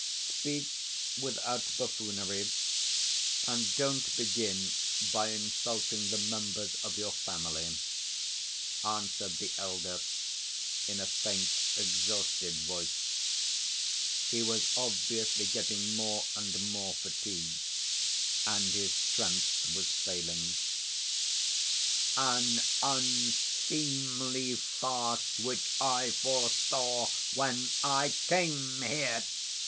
"Speak without buffoonery, and don't begin by insulting the members of your family," answered the elder, in a faint, exhausted voice. He was obviously getting more and more fatigued, and his strength was failing. "An unseemly farce which I foresaw when I came here!"